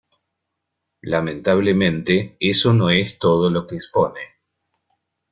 Lamentablemente, eso no es todo lo que expone.